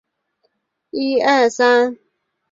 细籽柳叶菜为柳叶菜科柳叶菜属下的一个种。